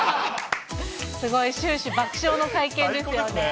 すごい終始爆笑の会見ですよね。